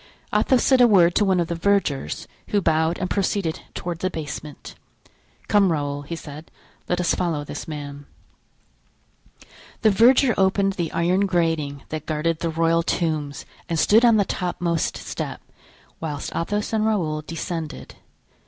Athos said a word to one of the vergers, who bowed and proceeded toward the basement. "Come, Raoul," he said, "let us follow this man." The verger opened the iron grating that guarded the royal tombs and stood on the topmost step, whilst Athos and Raoul descended.